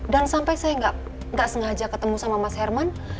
dan sampai saya nggak sengaja ketemu sama mas herman